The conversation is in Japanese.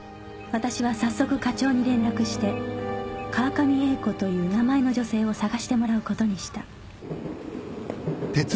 私は早速課長に連絡して川上英子という名前の女性を捜してもらうことにした